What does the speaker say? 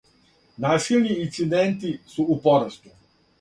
Насилни инциденти су у порасту.